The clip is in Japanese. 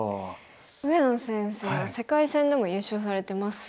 上野先生は世界戦でも優勝されてますもんね。